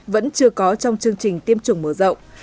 vẫn chưa có trong chương trình tiêm chủng mở rộng